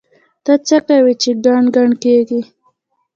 ته څه کوې چې ګڼ ګڼ کېږې؟!